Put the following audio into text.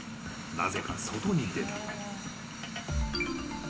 なぜか外に出た］